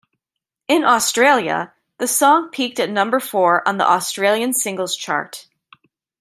In Australia, the song peaked at number four on the Australian Singles Chart.